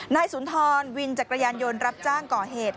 สุนทรวินจักรยานยนต์รับจ้างก่อเหตุ